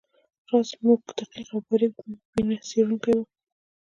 راز زموږ دقیق او باریک بینه څیړونکی وو